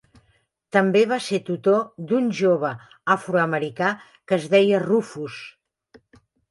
També va ser tutor d'un jove afroamericà que es deia Rufus.